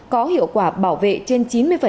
có hiệu quả bảo vệ trên chín mươi